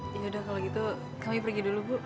ya udah kalau gitu kami pergi dulu bu